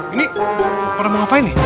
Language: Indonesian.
ini pernah mau ngapain nih